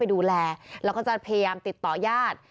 ดูแลแล้วก็จะพยายามติดต่อญาติ